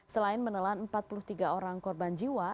selain menelan empat puluh tiga orang korban jiwa